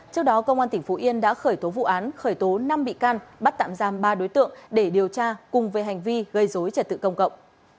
trước đó công an tỉnh phú yên đã khởi tố vụ án khởi tố năm bị can bắt tạm giam ba đối tượng để điều tra cùng về hành vi gây dối trật tự công cộng